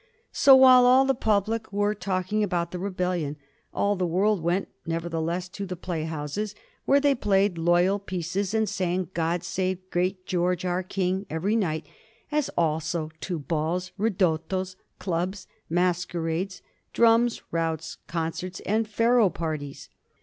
... So, while all the public were talking about the rebellion, all the world went nevertheless to the play houses, where they played loyal pieces, and sang * God save great George, our King ' every night ; as also to balls, ridottos, clubs, masquerades, drums, routs, concerts, and Pharaoh parties.